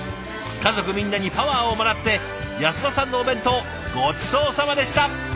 家族みんなにパワーをもらって安田さんのお弁当ごちそうさまでした！